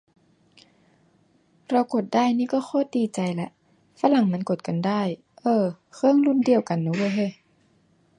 เรากด ได้ นี่ก็โคตรดีใจละ ฝรั่งมันกดกันได้ เอ่อ เครื่องรุ่นเดียวกันนะเว้ยเฮ้ย